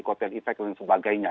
kotel efek dan sebagainya